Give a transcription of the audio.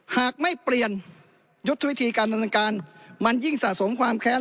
หากไม่เปลี่ยนยุทธวิธีการดำเนินการมันยิ่งสะสมความแค้น